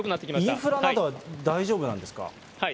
インフラなどは大丈夫なんですか？